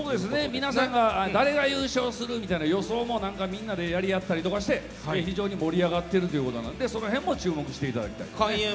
皆さんが誰が優勝するみたいな予想もみんなでやり合ったりとかして非常に盛り上がってるということなので注目してほしいですね。